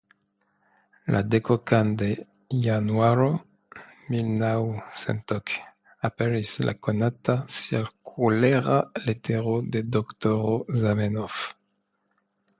La dekokan de Januaro milnaŭcentok aperis la konata cirkulera letero de Doktoro Zamenhof.